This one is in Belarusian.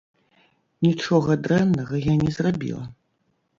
Нічога дрэннага я не зрабіла.